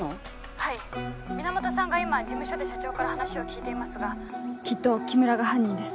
はい源さんが今事務所で社長から話を聞いていますがきっと木村が犯人です。